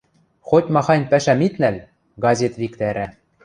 Хоть-махань пӓшӓм ит нӓл — газет виктӓрӓ...